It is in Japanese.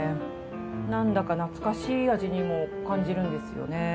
なんだか懐かしい味にも感じるんですよね。